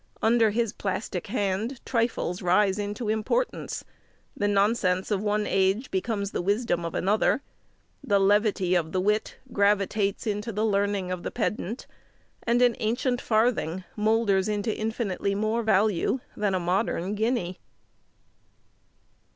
Under his plastic hand trifles rise into importance; the nonsense of one age becomes the wisdom of another; the levity of the wit gravitates into the learning of the pedant, and an ancient farthing moulders into infinitely more value than a modern guinea.